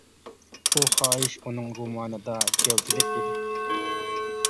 بۇ خاھىش ئۇنىڭ رومانىدا گەۋدىلىك ئىدى.